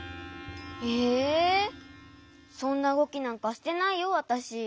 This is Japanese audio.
えそんなうごきなんかしてないよわたし。